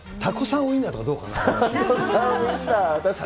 ウインナーとかどう確かに。